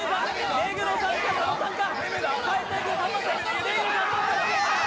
目黒さんか佐野さんか！